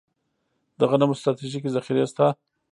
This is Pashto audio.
د غنمو ستراتیژیکې ذخیرې شته